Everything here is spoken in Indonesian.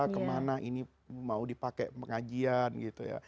kemana ini mau dipakai pengajian gitu ya